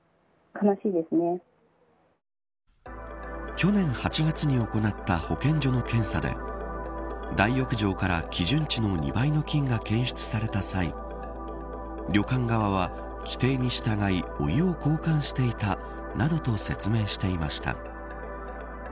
去年８月に行った保健所の検査で大浴場から基準値の２倍の菌が検出された際旅館側は、規定に従いお湯を交換していたなどと説明していました。